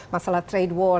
masalah trade war